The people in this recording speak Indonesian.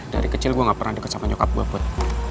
dari kecil gue gak pernah deket sama nyokap gue buat